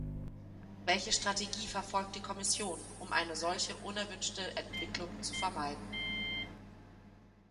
Welche Strategie verfolgt die Kommission, um eine solche unerwünschte Entwicklung zu vermeiden?